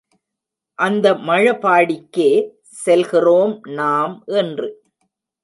அந்த மழபாடிக்கே செல்கிறோம் நாம் இன்று.